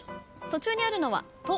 途中にあるのは「と」